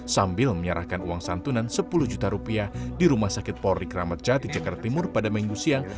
sambil menyerahkan uang santunan sepuluh juta rupiah di rumah sakit polri kramat jati jakarta timur pada minggu siang